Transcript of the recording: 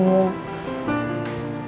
dah masuk ke dalam ya